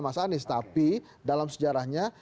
mas anies tapi dalam sejarahnya